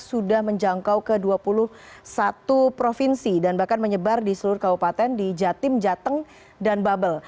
sudah menjangkau ke dua puluh satu provinsi dan bahkan menyebar di seluruh kabupaten di jatim jateng dan babel